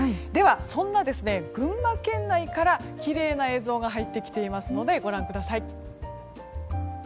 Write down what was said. では、そんな群馬県内からきれいな映像が入ってきていますのでご覧ください。